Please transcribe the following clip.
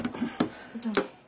どうも。